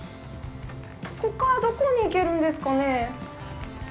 ここから、どこに行けるんですかね。